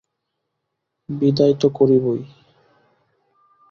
বিদায় তো করিবই।